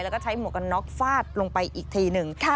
แล้วก็ใช้หมวกกันน็อกฟาดลงไปอีกทีหนึ่ง